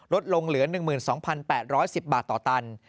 ลดลงเหลือ๑๒๘๑๐บาทต่อตัน